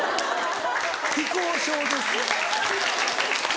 非公表です。